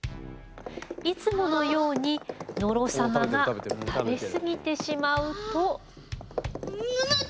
いつものように野呂様が食べ過ぎてしまうと。